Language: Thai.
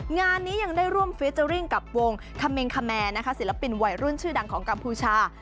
งานนี้ยังได้ร่วมเฟเจอร์ริ่งกับวงคาเมงคาแมร์นะคะศิลปินวัยรุ่นชื่อดังของกัมพูชา